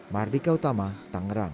mardika utama tangerang